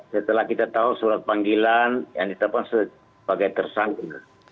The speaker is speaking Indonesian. setelah kita tahu surat panggilan yang ditetapkan sebagai tersangka